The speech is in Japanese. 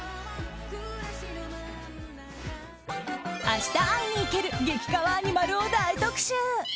明日会いに行ける激かわアニマルを大特集。